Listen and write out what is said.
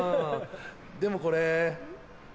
でもこれ。